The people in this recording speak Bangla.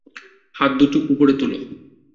হাত দুটো উপরে তোলো।